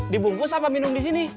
dibungkus apa minum disini